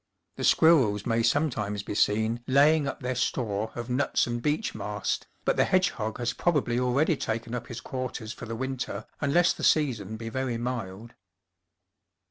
The squirrels may some times be seen laying up their store of nuts and beech mast, but the hedgehog has probably already taken up his quarters for the winter unless the season be very mild.